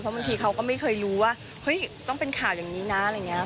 บางทีเขาก็ไม่เคยรู้ว่าเฮ้ยต้องเป็นข่าวอย่างนี้นะอะไรอย่างนี้